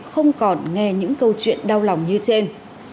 không còn nghe những câu chuyện đau lòng như trên